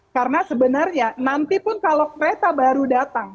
karena sebenarnya nanti pun kalau kereta baru datang